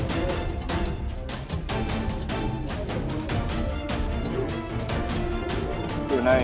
chỉ để mọi người nói chuyện